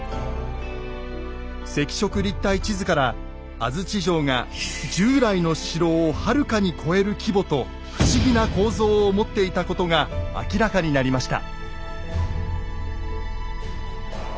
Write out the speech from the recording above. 赤色立体地図から安土城が従来の城をはるかに超える規模と不思議な構造を持っていたことが明らかになりました。